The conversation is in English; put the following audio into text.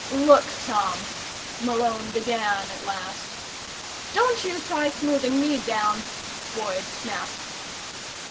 "Look, Tom," Malone began at last. "Don't you try smoothing me down," Boyd snapped.